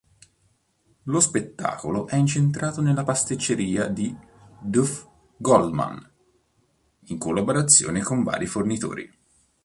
Lo spettacolo è incentrato nella pasticceria di Duff Goldman, in collaborazione con vari fornitori.